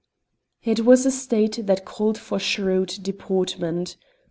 It was a state that called for shrewd deportment.